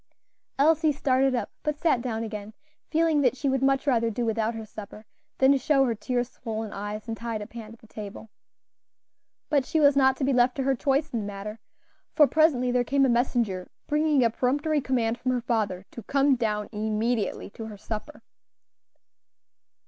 Elsie started up, but sat down again, feeling that she would much rather do without her supper than show her tear swollen eyes and tied up hand at the table. But she was not to be left to her choice in the matter, for presently there came a messenger bringing a peremptory command from her father "to come down immediately to her supper."